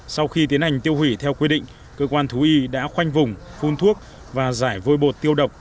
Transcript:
sau khi tiến hành tiêu hủy theo quy định cơ quan thú y đã khoanh vùng phun thuốc và giải vôi bột tiêu độc